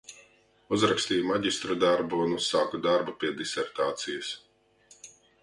Uzrakstīju maģistra darbu un uzsāku darbu pie disertācijas.